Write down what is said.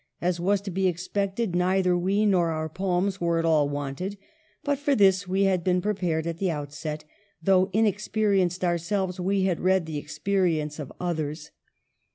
As was to be expected neither we nor our poems were at all wanted ; but for this we had been prepared at the outset ; though inex perienced ourselves, we had read the experience of others.